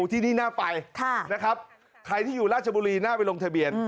ที่นี่น่าไปนะครับใครที่อยู่ราชบุรีน่าไปลงทะเบียน